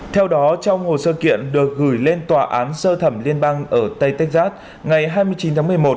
theo đó trong hồ sơ kiện được gửi lên tòa án sơ thẩm liên bang ở tây texas ngày hai mươi chín tháng một mươi một